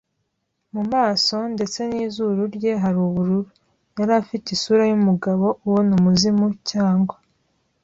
mu maso, ndetse n'izuru rye ryari ubururu; yari afite isura yumugabo ubona umuzimu, cyangwa